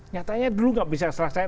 nyatanya dulu nggak bisa selesai